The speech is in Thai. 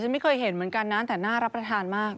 ไม่เคยเห็นเหมือนกันนะแต่น่ารับประทานมาก